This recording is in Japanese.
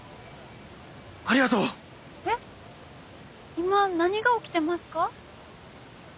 今何が起きてますか？